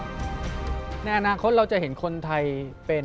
มีสแกนระดับโดคใช่ไหมใช่ครับสักวันหนึ่ง